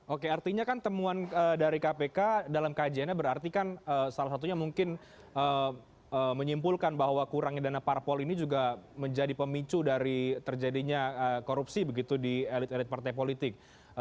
oke artinya kan temuan dari kpk dalam kajiannya berarti kan salah satunya mungkin menyimpulkan bahwa kurangnya dana parpol ini juga menjadi pemicu dari terjadinya korupsi begitu di elit elit partai politik